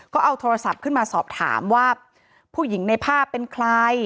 ก็เอาโทรศัพท์ขึ้นมาสอบถามว่าผู้หญิงในภาพเป็นใคร